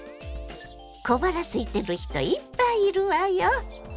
小腹すいてる人いっぱいいるわよ。